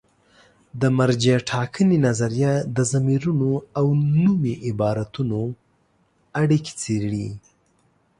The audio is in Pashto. د مرجع ټاکنې نظریه د ضمیرونو او نومي عبارتونو اړیکې څېړي.